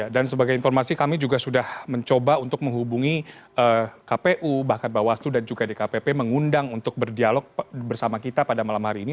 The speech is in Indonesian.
dan sebagai informasi kami juga sudah mencoba untuk menghubungi kpu bahkan bawaslu dan juga dkpp mengundang untuk berdialog bersama kita pada malam hari ini